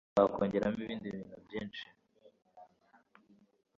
bakongeramo ibindi bintu byinshi